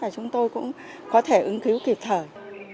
chúng tôi cũng có thể ứng cứu kịp thời